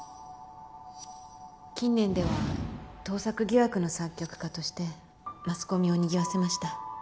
近年では盗作疑惑の作曲家としてマスコミをにぎわせました。